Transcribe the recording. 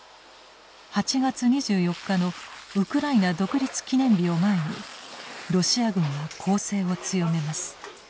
８月２４日のウクライナ独立記念日を前にロシア軍は攻勢を強めます。